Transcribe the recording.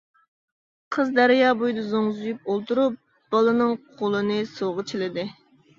قىز دەريا بويىدا زوڭزىيىپ ئولتۇرۇپ بالىنىڭ قولىنى سۇغا چىلىدى.